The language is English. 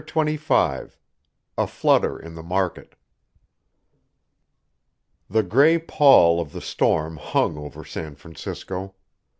CHAPTER XXV A FLUTTER IN THE MARKET The gray pall of the storm hung over San Francisco.